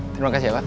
terima kasih pak